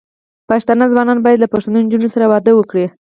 پښتانه ځوانان بايد له پښتنو نجونو سره واده وکړي.